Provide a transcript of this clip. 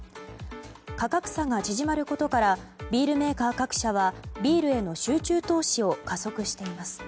価格差が縮まることからビールメーカー各社はビールへの集中投資を加速しています。